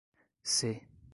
C